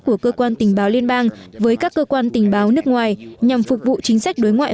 của cơ quan tình báo liên bang với các cơ quan tình báo nước ngoài nhằm phục vụ chính sách đối ngoại